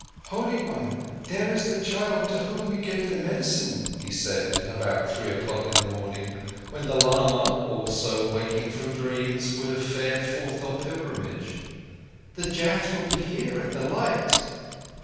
"Holy One, there is the child to whom we gave the medicine," he said, about three o'clock in the morning, when the lama, also waking from dreams, would have fared forth on pilgrimage. "The Jat will be here at the light."